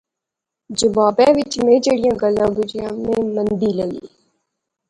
جوابے وچ میں جہیڑی گل بجی میں مندی لغی